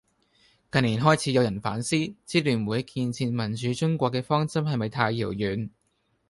近年開始有人反思，支聯會「建設民主中國」嘅方針係咪太遙遠